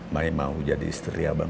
main mau jadi istri abang